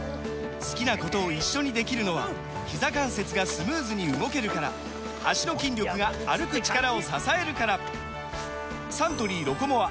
好きなことを一緒にできるのはひざ関節がスムーズに動けるから脚の筋力が歩く力を支えるからサントリー「ロコモア」！